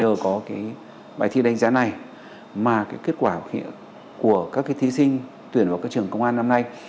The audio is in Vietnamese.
nếu có bài thi đánh giá này mà kết quả của các thí sinh tuyển vào trường công an năm nay